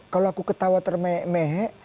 kalau aku ketawa termeh mehe